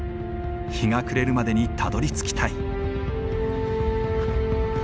日が暮れるまでにたどりつきたい。